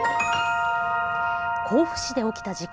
甲府市で起きた事件。